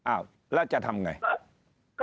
อ้าวแล้วจะทำอย่างไร